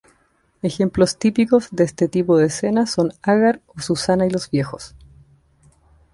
Ejemplos típicos de este tipo de escena son Agar o Susana y los viejos.